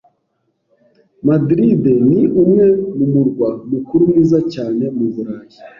Madrid ni umwe mu murwa mukuru mwiza cyane mu Burayi.